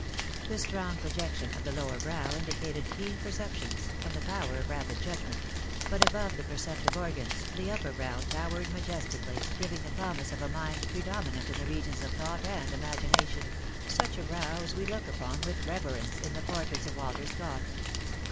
The strong projection of the lower brow indicated keen perceptions, and the power of rapid judgment; but above the perceptive organs the upper brow towered majestically, giving the promise of a mind predominant in the regions of thought and imagination — such a brow as we look upon with reverence in the portraits of Walter Scott.